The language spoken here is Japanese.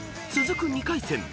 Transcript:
［続く２回戦